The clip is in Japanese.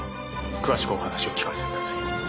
詳しくお話を聞かせてください。